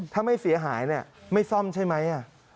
ถ้าไม่เสียหายไม่ซ่อมใช่ไหม